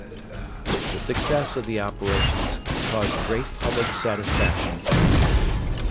The success of the operations caused great public satisfaction in England.